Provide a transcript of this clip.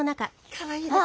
かわいいですね。